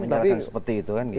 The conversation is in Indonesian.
menjelaskan seperti itu kan